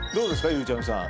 ゆうちゃみさん。